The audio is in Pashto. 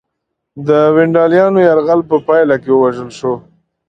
د ونډالیانو یرغل په پایله کې ووژل شو